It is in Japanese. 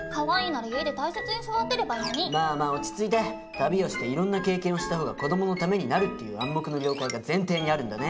旅をしていろんな経験をした方が子供のためになるっていう「暗黙の了解」が前提にあるんだね。